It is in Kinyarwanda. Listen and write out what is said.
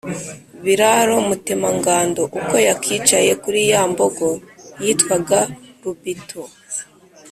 Biraro Mutemanganndo uko yakicaye kuri ya mbogo yitwaga Rubito,